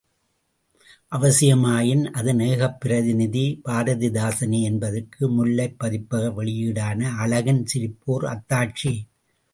அவசியமாயின், அதன் ஏகப்பிரதிநிதி பாரதிதாசனே என்பதற்கு முல்லைப் பதிப்பக வெளியீடான அழகின் சிரிப்பு ஓர் அத்தாட்சி.